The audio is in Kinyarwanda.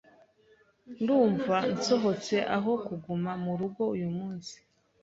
Ndumva nsohotse aho kuguma murugo uyu munsi.